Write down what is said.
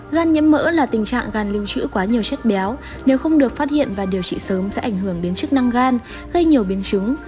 gan nhiễm mỡ là tình trạng gan lưu trữ quá nhiều chất béo nếu không được phát hiện và điều trị sớm sẽ ảnh hưởng đến chức năng gan gây nhiều biến chứng